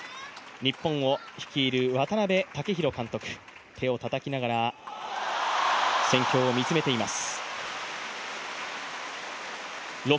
日本を率いる渡辺武弘監督、手をたたきながら戦況を見つめています。